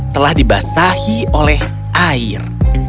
telah dibasahi oleh air